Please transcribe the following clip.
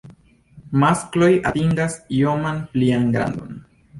Maskloj atingas ioman plian grandon.